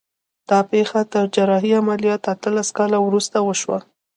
دا پېښه تر جراحي عملیات اتلس کاله وروسته وشوه